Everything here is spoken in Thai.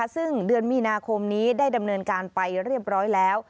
ซึ่งเดือนมีนาคมนี้ได้ดำเนินการไปเรียบร้อยแล้ว